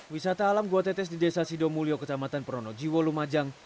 wisata alam gua tetes di desa sidomulyo kecampatan proronji walumajang